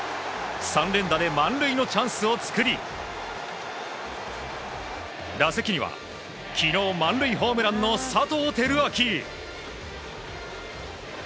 ３連打で満塁のチャンスを作り打席には昨日満塁ホームランの佐藤輝明。